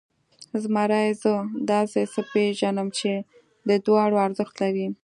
زمري، زه داسې څه پېژنم چې د دواړو ارزښت لري.